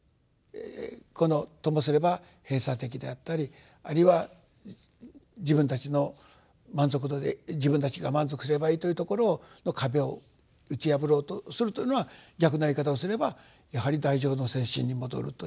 このともすれば閉鎖的であったりあるいは自分たちの満足度で自分たちが満足すればいいというところの壁を打ち破ろうとするというのは逆な言い方をすればやはり大乗の精神に戻るという。